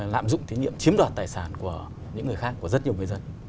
lạm dụng thí nghiệm chiếm đoạt tài sản của những người khác của rất nhiều người dân